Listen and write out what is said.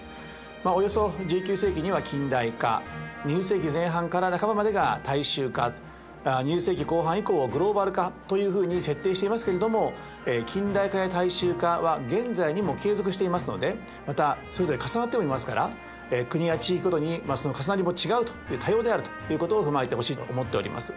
およそ１９世紀には近代化２０世紀前半から半ばまでが大衆化２０世紀後半以降をグローバル化というふうに設定していますけれども近代化や大衆化は現在にも継続していますのでまたそれぞれ重なってもいますから国や地域ごとにその重なりも違うと多様であるということを踏まえてほしいと思っております。